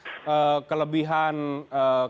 kelebihan kelebihan kelebihan